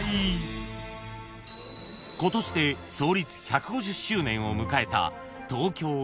［今年で創立１５０周年を迎えた］